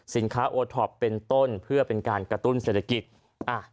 สินค้าโอทอปเป็นต้นเพื่อเป็นการกระตุ้นเศรษฐกิจ